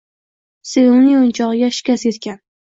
Sevimli o‘yinchog‘iga shikast yetgan